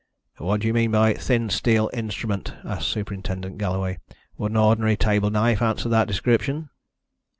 "What do you mean by a thin, steel instrument?" asked Superintendent Galloway. "Would an ordinary table knife answer that description?"